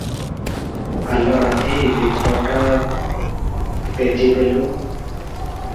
ଆଲୋ ରାଧୀ! ଦୀପଟା ତେଜି ଦେଲୁ ।